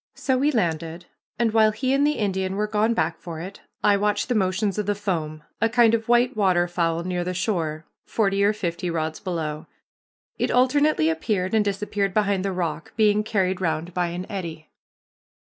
So we landed, and while he and the Indian were gone back for it, I watched the motions of the foam, a kind of white waterfowl near the shore, forty or fifty rods below. It alternately appeared and disappeared behind the rock, being carried round by an eddy.